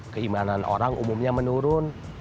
keimanan orang umumnya menurun